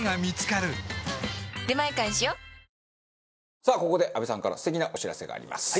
さあここで阿部さんから素敵なお知らせがあります。